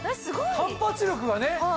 すごい！反発力がね。